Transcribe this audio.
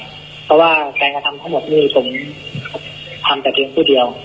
เพราะว่าการกระทำทั้งหมดนี่ผมทำแต่เพียงผู้เดียว